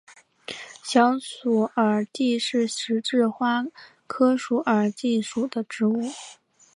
小鼠耳芥是十字花科鼠耳芥属的植物。